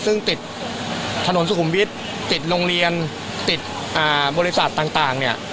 ซึ่งติดถนนสุขุมวิทย์ติดโรงเรียนติดบริษัทต่างเนี่ย